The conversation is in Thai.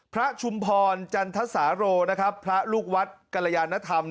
ชุมพรจันทสาโรพระลูกวัดกรยานธรรม